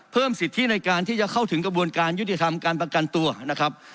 เพิ่มสิทธิในการที่จะเข้าถึงกระบวนการยุติธรรมการประกันตัวนะครับ